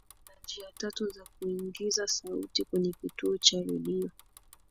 hewani kuna njia tatu za kuingiza sauti kwenye kituo cha redio